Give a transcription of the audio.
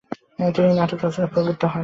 তিনি নাটক রচনায় প্রবৃত্ত হন।